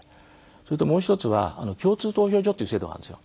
それともう一つは共通投票所という制度があるんです。